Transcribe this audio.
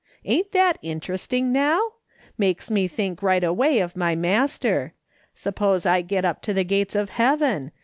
Ain't that interesting now ? Makes me think right away of my Master. Suppose I get up to the gates of heaven